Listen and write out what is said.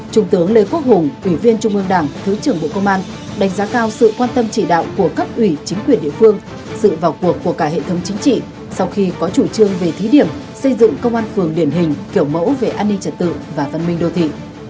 trung tướng lê quốc hùng ủy viên trung ương đảng thứ trưởng bộ công an đánh giá cao sự quan tâm chỉ đạo của cấp ủy chính quyền địa phương sự vào cuộc của cả hệ thống chính trị sau khi có chủ trương về thí điểm xây dựng công an phường điển hình kiểu mẫu về an ninh trật tự và văn minh đô thị